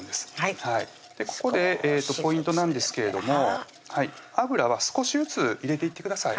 ここでポイントなんですけれども油は少しずつ入れていってください